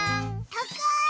たかい！